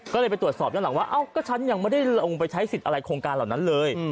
ก็เลยไปตรวจสอบด้านหลังว่าเอ้าก็ฉันยังไม่ได้ลงไปใช้สิทธิ์อะไรโครงการเหล่านั้นเลย